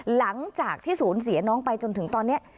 หลังจากที่ศูนย์เสียน้องไปจนถึงตอนนี้